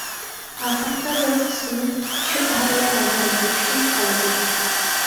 ئاخىرقى بىر قىسمى شۇ ئائىلە ئەزالىرى ئۈچۈن قالىدۇ.